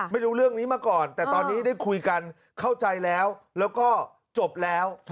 ไม่รู้เรื่องนี้มาก่อนแต่ตอนนี้ได้คุยกันเข้าใจแล้วแล้วก็จบแล้ว